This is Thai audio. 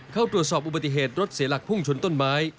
เข้าตรวจสอบอุบัติเหตุรถเสียหลักพุ่งชนต้นไม้